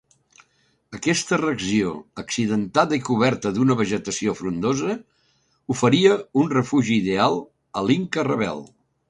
Aquesta regió accidentada i coberta d'una vegetació frondosa oferia un refugi ideal a l'Inca rebel.